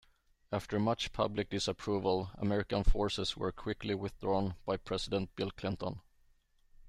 After much public disapproval, American forces were quickly withdrawn by President Bill Clinton.